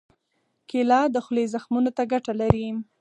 کېله د خولې زخمونو ته ګټه لري.